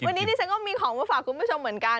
วันนี้ดิฉันก็มีของมาฝากคุณผู้ชมเหมือนกัน